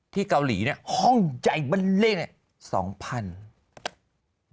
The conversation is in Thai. ที่เกาหลีห้องใหญ่เบนเล่น๒๐๐๐